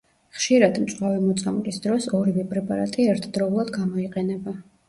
ხშირად, მწვავე მოწამვლის დროს, ორივე პრეპარატი ერთდროულად გამოიყენება.